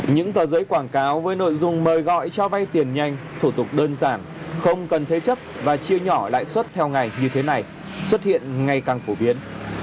những tờ giấy quảng cáo với nội dung mời gọi cho vay tiền nhanh thủ tục đơn giản không cần thế chấp và chia nhỏ lãi suất theo ngày như thế này xuất hiện ngày càng phổ biến